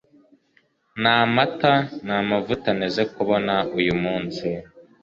nta mata, nta mavuta nteze kubona uyu munsi